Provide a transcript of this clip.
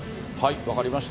分かりました。